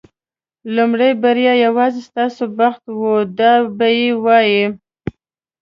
لومړۍ بریا یوازې ستا بخت و دا به یې وایي.